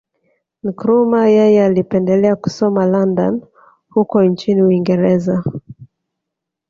Nkrumah yeye alipendelea kusoma London huko nchini Uingereza